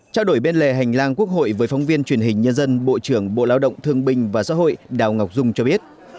trao đổi bên lề hành lang quốc hội với phóng viên truyền hình nhân dân bộ trưởng bộ lao động thương binh và xã hội đào ngọc dung cho biết